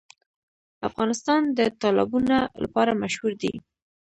افغانستان د تالابونه لپاره مشهور دی.